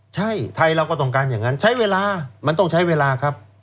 ใช่ไทยเราก็ต้องการอย่างนั้นใช้เวลามันต้องใช้เวลาครับ